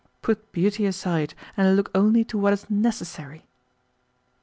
Put beauty aside, and look only to what is NECESSARY."